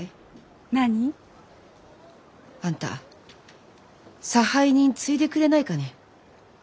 何？あんた差配人継いでくれないかね？